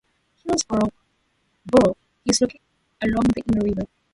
Hillsborough is located along the Eno River.